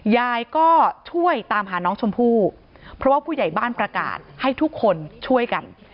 ยายก็ช่วยตามหาน้องชมพู่เพราะว่าผู้ใหญ่บ้านประกาศให้ทุกคนช่วยกัน